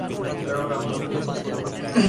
Laura Murphy.